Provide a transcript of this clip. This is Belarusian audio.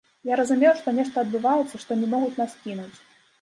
Я разумеў, што нешта адбываецца, што не могуць нас кінуць.